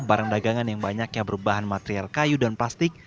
barang dagangan yang banyaknya berbahan material kayu dan plastik